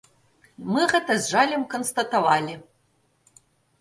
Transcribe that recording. Мы гэта з жалем канстатавалі.